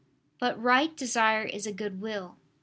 But right desire is a good will.